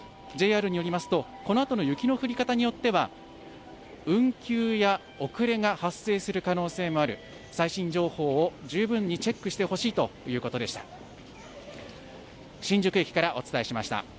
ＪＲによりますと、このあとの雪の降り方によっては、運休や遅れが発生する可能性もある、最新情報を十分にチェックしてほしいということでした。